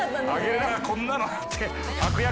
こんなのだって。